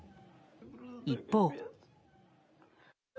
一方。